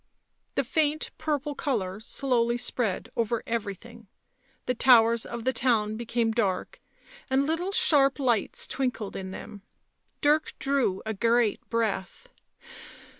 The faint purple colour slowly spread over every thing ; the towers of the tow r n became dark, and little sharp lights twinkled in them. Dirk drew a great breath.